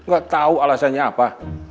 gak tau alasannya apa